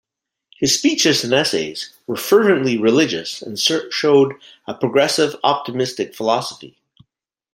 His speeches and essays were fervently religious and showed a progressive, optimistic philosophy.